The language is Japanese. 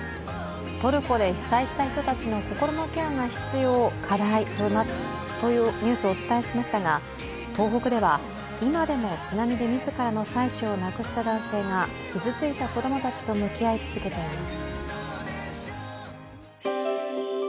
トルコで被災した人たちの心のケアが課題となっているというニュースをお伝えしましたが東北では今でも津波で自らの妻子を亡くした男性が傷ついた子供たちと向き合い続けています。